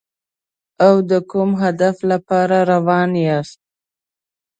او د کوم هدف لپاره روان یاست.